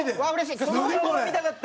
その顔が見たかった！